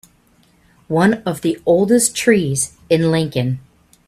One of the oldest trees in Lincoln.